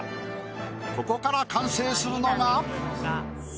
ここから完成するのが。